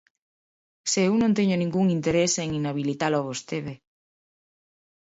¡Se eu non teño ningún interese en inhabilitalo a vostede!